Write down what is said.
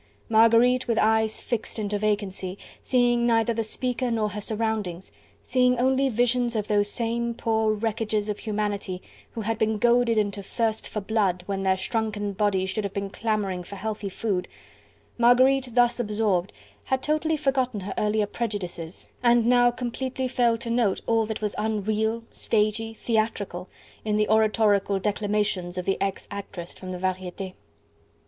Marguerite, with eyes fixed into vacancy, seeing neither the speaker nor her surroundings, seeing only visions of those same poor wreckages of humanity, who had been goaded into thirst for blood, when their shrunken bodies should have been clamouring for healthy food, Marguerite thus absorbed, had totally forgotten her earlier prejudices and now completely failed to note all that was unreal, stagy, theatrical, in the oratorical declamations of the ex actress from the Varietes.